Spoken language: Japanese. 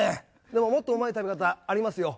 でも、もっとうまい食べ方ありますよ。